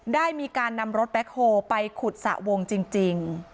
ได้มีการนำรถแบ็คโฮลไปขุดสระวงจริง